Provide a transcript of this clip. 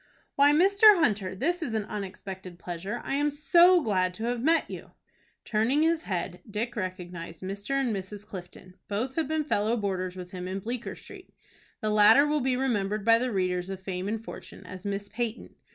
"Why, Mr. Hunter, this is an unexpected pleasure. I am so glad to have met you." Turning his head, Dick recognized Mr. and Mrs. Clifton. Both had been fellow boarders with him in Bleecker Street. The latter will be remembered by the readers of "Fame and Fortune" as Miss Peyton.